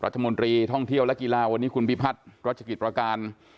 รัฐมนตรีท่องเที่ยวและกีฬาวันนี้คุณพิพัฒน์รัชกิจประการ